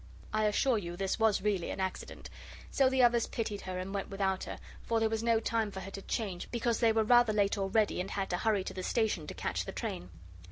I assure you this was really an accident. So the others pitied her and went without her, for there was no time for her to change, because they were rather late already and had to hurry to the station to catch the train.